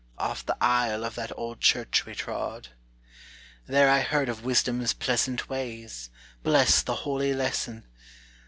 Oft the aisle of that old church we trod. "There I heard of Wisdom's pleasant ways; Bless the holy lesson!